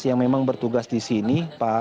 yang memang bertugas di sini